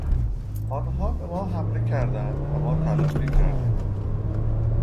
آنها به ما حمله کردند و ما تلافی کردیم.